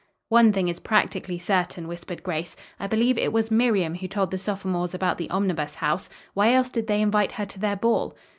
"One thing is practically certain," whispered Grace: "I believe it was Miriam who told the sophomores about the Omnibus House. Why else did they invite her to their ball?"